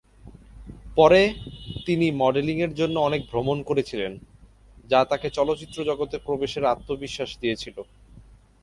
পরে, তিনি মডেলিংয়ের জন্য অনেক ভ্রমণ করেছিলেন, যা তাকে চলচ্চিত্র জগতে প্রবেশের আত্মবিশ্বাস দিয়েছিল।